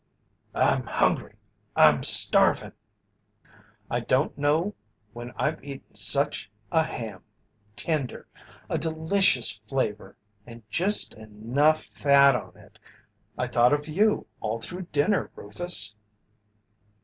"I'm hungry I'm starvin' " "I don't know when I've eaten such a ham, tender, a delicious flavour, and just enough fat on it I thought of you all through dinner, Rufus."